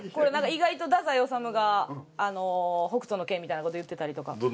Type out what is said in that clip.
意外と太宰治が『北斗の拳』みたいな事言ってたりとか。